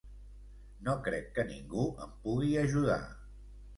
No crec que ningú em pugui ajudar.